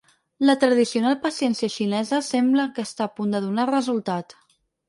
La tradicional paciència xinesa sembla que està a punt de donar resultat.